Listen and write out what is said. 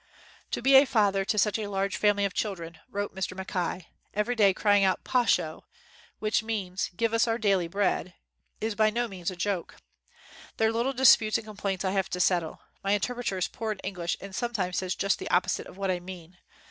4 'To be a father to such a large family of children," wrote Mr. Mackay, "every day crying out 'Poshol' which means, 'Give us our daily bread,' is by no means a joke. Their little disputes and complaints I have to settle. My interpreter is poor in English and sometimes says just the opposite of what I mean.